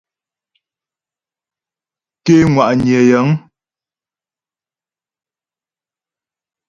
Ké ŋwà'nyə̀ yəŋ.